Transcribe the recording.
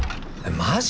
マジ？